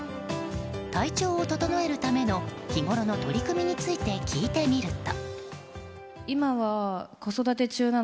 体調を整えるための日ごろの取り組みについて聞いてみると。